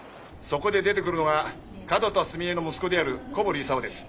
そこで出てくるのが角田澄江の息子である小堀功です。